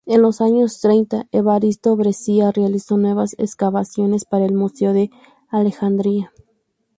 En los años treinta, Evaristo Breccia realizó nuevas excavaciones para el Museo de Alejandría.